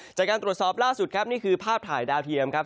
จากการตรวจสอบล่าสุดครับนี่คือภาพถ่ายดาวเทียมครับ